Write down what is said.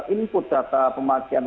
input data pemakaian